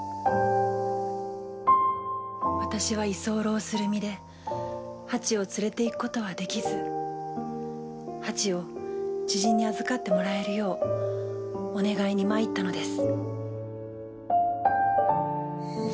私は居候する身でハチを連れていくことはできずハチを知人に預かってもらえるようお願いに参ったのです。